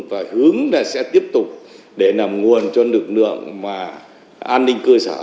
và hướng sẽ tiếp tục để nằm nguồn cho lực lượng an ninh cơ sở